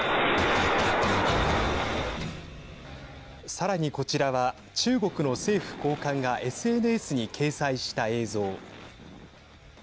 さらに、こちらは中国の政府高官がＳＮＳに掲載した映像。